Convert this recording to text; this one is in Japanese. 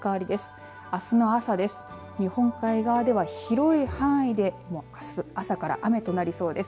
日本海側では広い範囲であす朝から雨となりそうです。